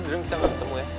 dering kita gak ketemu ya